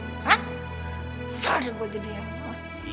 salah dia gua jadi